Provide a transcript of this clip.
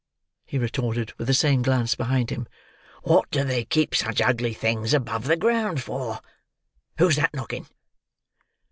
he retorted with the same glance behind him. "Wot do they keep such ugly things above the ground for?—Who's that knocking?"